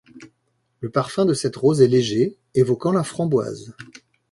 Le parfum de cette rose est léger, évoquant la framboise.